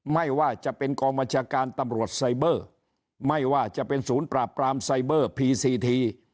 ไม่ว่าจะเป็นกองบัญชาการตำรวจไซเบอร์ไม่ว่าจะเป็นศูนย์ปราบปรามไซเบอร์พีซีที